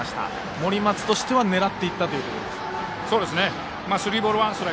森松としては狙っていったところですか。